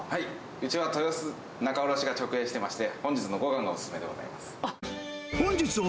うちは豊洲仲卸が直営していまして、本日の五貫がお勧めでございます。